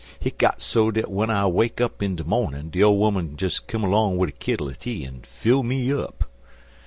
Hit got so dat w'en I wake up in de mornin' de ole 'oman 'd des come long wid a kittle er tea an' fill me up.